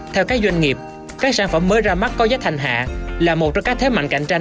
theo các doanh nghiệp các sản phẩm mới ra mắt có giá thành hạ là một trong các thế mạnh cạnh tranh